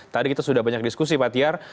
tadi kita sudah banyak diskusi pak tiar